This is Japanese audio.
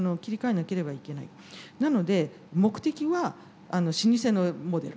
なので目的は老舗のモデル。